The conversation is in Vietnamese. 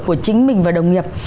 của chính mình và đồng nghiệp